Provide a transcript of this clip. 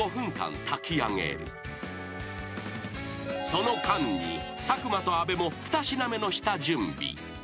［その間に佐久間と阿部も２品目の下準備］